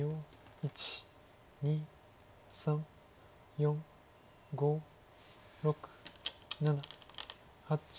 １２３４５６７８。